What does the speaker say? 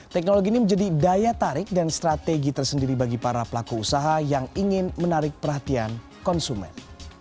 teknologi ini menjadi daya tarik dan strategi tersendiri bagi para pelaku usaha yang ingin menarik perhatian konsumen